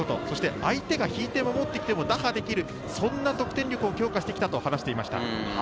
相手が引いて守ってきても打破できる、そんな得点力を強化してきたと話していました。